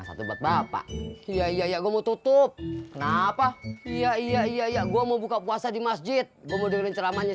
sampai jumpa di video selanjutnya